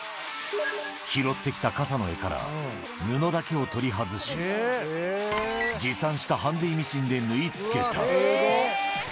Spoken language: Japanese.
拾ってきた傘の柄から、布だけを取り外し、持参したハンディミシンで縫いつけた。